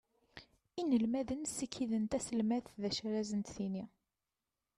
Inelmaden sikiden taselmadt d acu ara sen-d-tini.